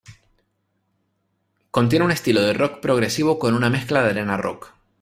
Contiene una estilo de rock progresivo con una mezcla de arena rock.